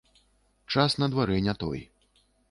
Час на дварэ не той.